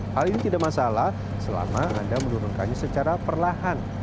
hal ini tidak masalah selama anda menurunkannya secara perlahan